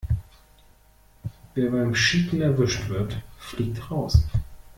Wer beim Cheaten erwischt wird, fliegt raus.